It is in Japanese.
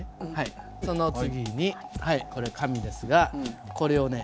その次にこれ紙ですがこれをね